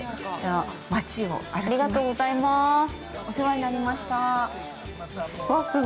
◆ありがとうございます。